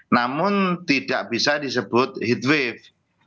namun tidak bisa disebut heatwave